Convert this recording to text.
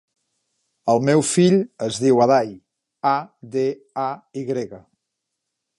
El meu fill es diu Aday: a, de, a, i grega.